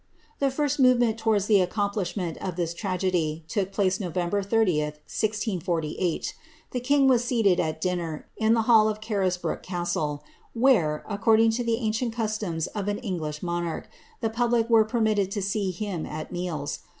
Tlie first movement towards the accomplishment of this tmgedy took place Nov. 30, ] 048. The king was seated at dinner, in the hall of Carisbrooke castle, where, according to the ancient customs of an Eng lish monarch, the public were permitted to see him at meals.